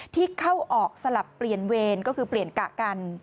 ที่เข้าออกสลับเปลี่ยนเวรก็คือเปลี่ยนกะกัน